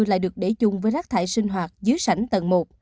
lại được để chung với rác thải sinh hoạt dưới sảnh tầng một